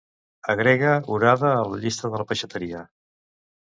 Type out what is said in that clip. Agrega orada a la llista de la peixateria.